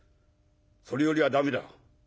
それよりは駄目だ」。